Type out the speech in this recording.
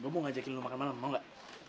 gue mau ngajakin lo makan malam mau gak